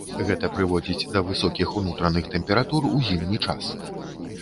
Гэта прыводзіць да высокіх унутраных тэмператур у зімні час.